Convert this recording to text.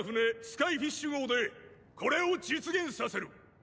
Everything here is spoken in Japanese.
スカイフィッシュ号でこれを実現させる！